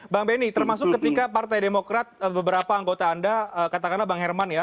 bang benny termasuk ketika partai demokrat beberapa anggota anda katakanlah bang herman ya